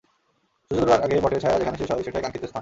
সূর্য ডোবার আগে বটের ছায়া যেখানে শেষ হয়, সেটাই কাঙ্ক্ষিত স্থান।